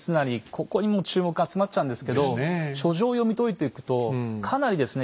ここにもう注目集まっちゃうんですけど書状を読み解いていくとかなりですね